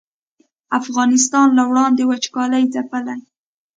افغانستان له وړاندې وچکالۍ ځپلی